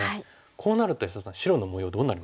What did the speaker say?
こうなると安田さん白の模様どうなりました？